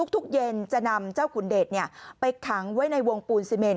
เย็นจะนำเจ้าขุนเดชไปขังไว้ในวงปูนซีเมน